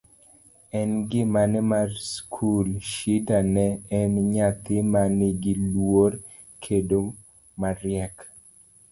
e ngimane mar skul, Shida ne en nyadhi ma nigi luor kendo mariek